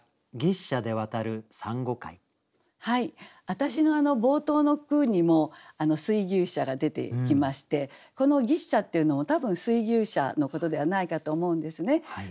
私の冒頭の句にも「水牛車」が出てきましてこの「牛車」っていうのも多分水牛車のことではないかと思うんですね。